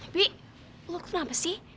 pi lo kenapa sih